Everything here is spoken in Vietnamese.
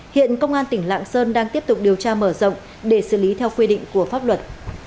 hiện công an tỉnh lạng sơn đang tiếp tục điều tra mở rộng để xử lý theo quy định của pháp luật